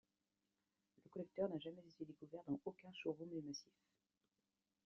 Le collecteur n'a jamais été découvert dans aucun chourum du massif.